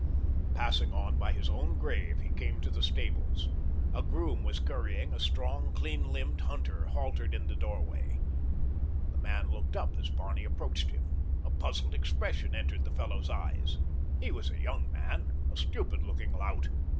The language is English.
Passing on by his own grave, he came to the stables. A groom was currying a strong, clean limbed hunter haltered in the doorway. The man looked up as Barney approached him. A puzzled expression entered the fellow's eyes. He was a young man—a stupid looking lout.